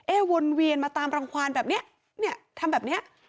เอ๊ะวนเวียนมาตามรางความแบบนี้ทำแบบนี้